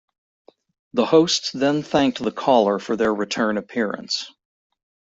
The hosts then thanked the caller for their return appearance.